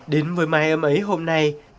đến với mái ấm ấy hôm nay